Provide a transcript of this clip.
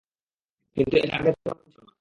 কিন্তু এটা আগে তো এমন ছিল না!